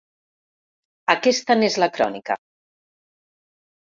Aquesta n’és la crònica.